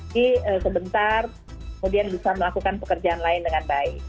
jadi sebentar kemudian bisa melakukan pekerjaan lain dengan baik